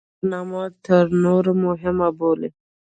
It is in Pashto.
هغه سفرنامه تر نورو مهمه بولي.